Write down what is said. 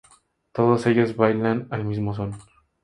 Todos ellos bailan al mismo son.